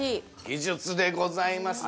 ◆技術でございます。